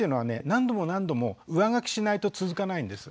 何度も何度も上書きしないと続かないんです。